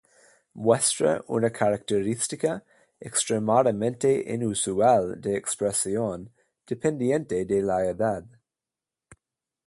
Muestra una característica extremadamente inusual de expresión dependiente de la edad.